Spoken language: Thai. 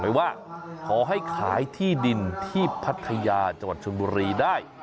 ว่าขอให้ขายที่ดินที่พัทยาจังหวัดชนบุรีได้